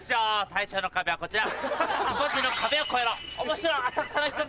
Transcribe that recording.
最初の壁はこちら。